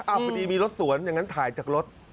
พอดีมีรถสวนอย่างนั้นถ่ายจากรถ